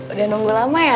udah nunggu lama ya